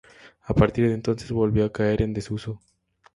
A partir de entonces volvió a caer en desuso.